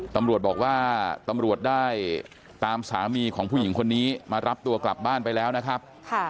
ตำรวจบอกว่าตำรวจได้ตามสามีของผู้หญิงคนนี้มารับตัวกลับบ้านไปแล้วนะครับ